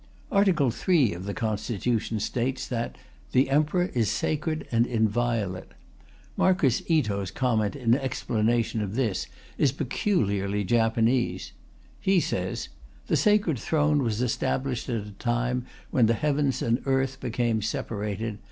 Article 3 of the Constitution states that "the Emperor is sacred and inviolate." Marquis Ito's comment in explanation of this is peculiarly Japanese. He says, "The Sacred Throne was established at the time when the heavens and earth became separated.